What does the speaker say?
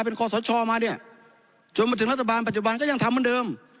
เป็นคอสชมาเนี่ยจนมาถึงรัฐบาลปัจจุบันก็ยังทำเหมือนเดิม